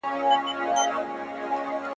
که کورنۍ ملاتړ کوي نو ماشوم نه پاته کېږي.